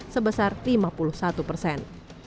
sebesar lima puluh satu persen